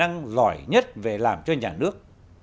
tài năng giỏi nhất về làm cho nhà nước